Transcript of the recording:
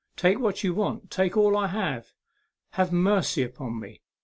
Take what you want ; take all that I have. Have mercy upon me.